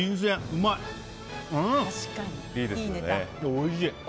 おいしい！